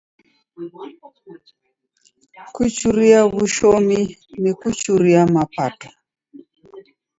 Kuchuria w'ushomi ni kuchuria mapato.